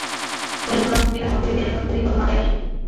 থলে-মোড়া মূর্তিটা হামাগুড়ি দিয়া এবার দুই কদম আগাঁইয়া আসিল।